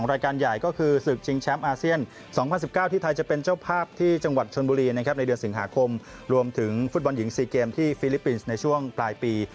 หรือหยิง๔เกมที่ฟิลิปปินส์ในช่วงปลายปี